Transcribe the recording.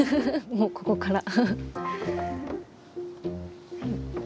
もうここから。